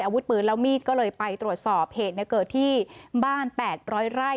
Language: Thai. อาวุธปืนแล้วมีดก็เลยไปตรวจสอบเหตุเกิดที่บ้าน๘๐๐ไร่